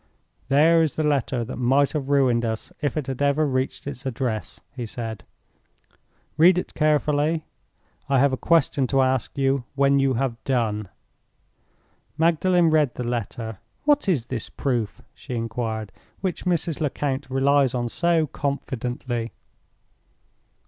"There is the letter that might have ruined us if it had ever reached its address," he said. "Read it carefully. I have a question to ask you when you have done." Magdalen read the letter. "What is this proof," she inquired, "which Mrs. Lecount relies on so confidently!"